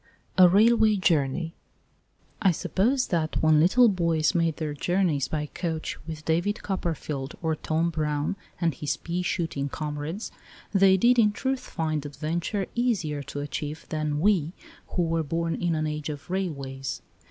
A RAILWAY JOURNEY I SUPPOSE that when little boys made their journeys by coach with David Copperfield or Tom Brown and his pea shooting com rades they did in truth find adventure easier to achieve than we who were born in an age of railways.